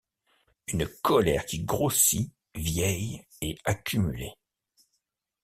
Une colère qui grossit, vieille et accumulée.